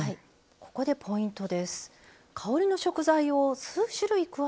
ここでポイントです。